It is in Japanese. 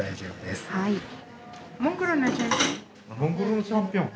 モンゴルのチャンピオン。